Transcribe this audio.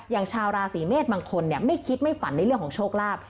ชาวราศีเมษบางคนไม่คิดไม่ฝันในเรื่องของโชคลาภ